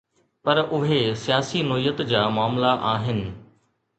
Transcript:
پر اهي سياسي نوعيت جا معاملا آهن.